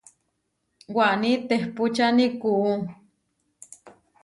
Waní tehpúčani kuú.